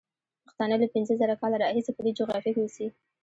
پښتانه له پینځه زره کاله راهیسې په دې جغرافیه کې اوسي.